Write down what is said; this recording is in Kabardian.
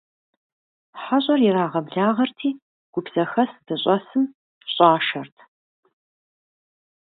ХьэщӀэр ирагъэблагъэрти, гуп зэхэс здэщыӀэм щӀашэрт.